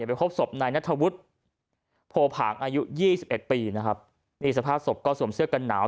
ไปพบศพนายนัทวุฒิโพผางอายุยี่สิบเอ็ดปีนะครับนี่สภาพศพก็สวมเสื้อกันหนาว